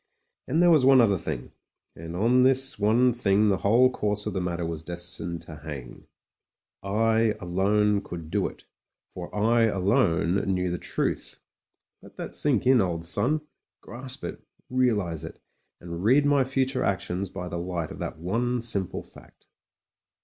And there was one other thing — ^and on this one thing the whole course of the matter was destined to hang :/ alone could do it, for I alone knhv the truth. Let that sink in, old son ; grasp it, realise it, and read my future actions by the light of that one simple fact.